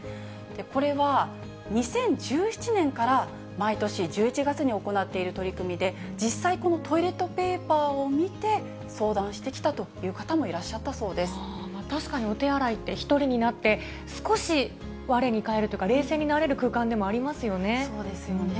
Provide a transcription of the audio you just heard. これは２０１７年から、毎年１１月に行っている取り組みで、実際、このトイレットペーパーを見て、相談してきたという方もい確かにお手洗いって、１人になって、少しわれに返るとか、冷静になれる空間でもありますよね。